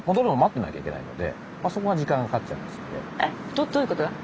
どどういうことだ？